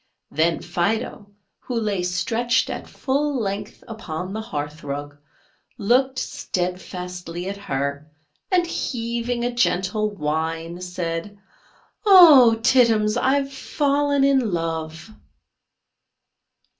Then Fido, who lay stretched at full length upon the hearth rug, looked steadfastly at her, and heaving a gentle whine, said, "Oh, Tittums, I've fallen in love!"